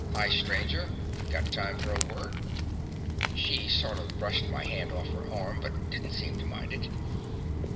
"Hi, stranger. Got time for a word?" She sort of brushed my hand off her arm, but didn't seem to mind it.